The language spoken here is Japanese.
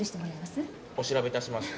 お調べいたします。